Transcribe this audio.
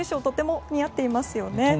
とっても似合っていますよね。